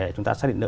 chúng ta xác định